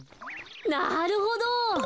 なるほど！